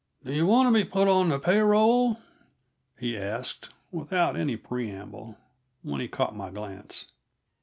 "Do yuh want to be put on the pay roll?" he asked, without any preamble, when he caught my glance.